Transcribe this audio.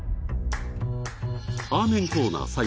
アーメンコーナー